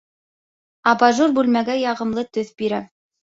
Абажур бүлмәгә яғымлы төҫ бирә